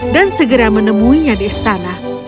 dan segera menemuinya di istana